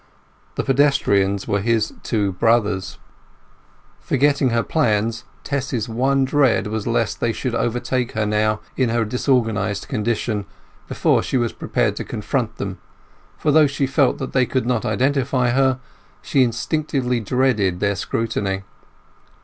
The pedestrians were his two brothers. Forgetting all her plans, Tess's one dread was lest they should overtake her now, in her disorganized condition, before she was prepared to confront them; for though she felt that they could not identify her, she instinctively dreaded their scrutiny.